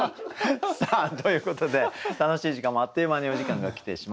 さあということで楽しい時間もあっという間にお時間が来てしまいました。